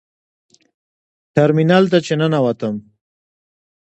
ټرمینل ته چې ننوتم.